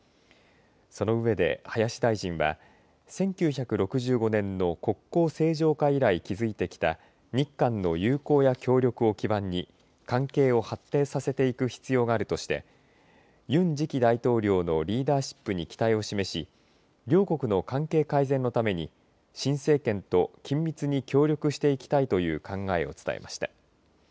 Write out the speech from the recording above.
そのうえで林大臣は１９６５年の国交正常化以来、築いてきた日韓の友好や協力を基盤に関係を発展させていく必要があるとしてユン次期大統領のリーダーシップに期待を示し両国の関係改善のために新政権と緊密に協力していきたいという考えを伝えました。